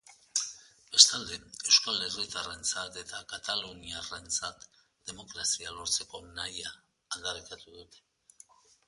Bestalde, euskal herritarrentzat eta kataluniarrentzat demokrazia lortzeko nahia aldarrikatu dute.